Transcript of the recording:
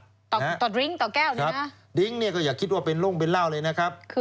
ต่อต่อดริ้งต่อแก้วเนี่ยนะดริ้งเนี่ยก็อย่าคิดว่าเป็นร่มเป็นเหล้าเลยนะครับ